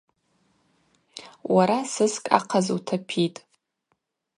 Уара сыскӏ ахъаз утапитӏ.